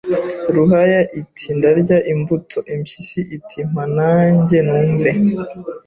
Ruhaya iti ndarya imbuto Impyisi iti mpa na njye numve